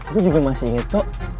gue juga masih inget kok